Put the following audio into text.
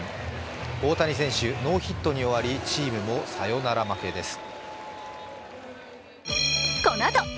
大谷選手、ノーヒットに終わりチームもサヨナラ負けです。